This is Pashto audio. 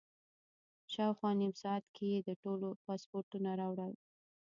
شاوخوا نیم ساعت کې یې د ټولو پاسپورټونه راوړل.